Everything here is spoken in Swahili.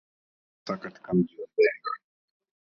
hasa katika mji wa bengal